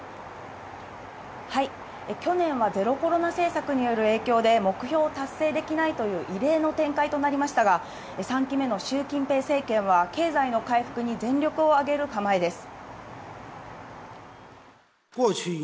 去年はゼロコロナ政策による影響で目標達成できないという異例の展開となりましたが、３期目のシュウ・キンペイ政権は経済の回復に全力を挙げる構えです。